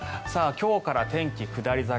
今日から天気下り坂。